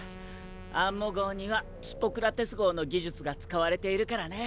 アンモ号にはヒポクラテス号の技術が使われているからね。